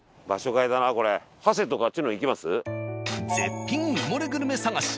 絶品埋もれグルメ探し。